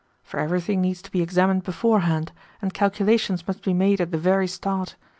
For everything needs to be examined beforehand, and calculations must be made at the very start.